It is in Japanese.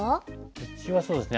うちはそうですね